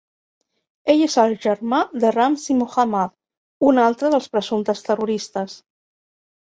Ell és el germà de Ramzi Mohammad, un altre dels presumptes terroristes.